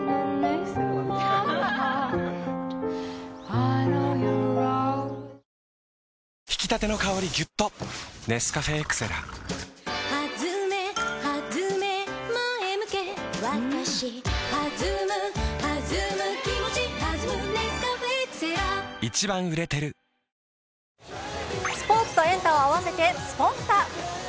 ホーユースポーツとエンタを合わせて、スポンタっ！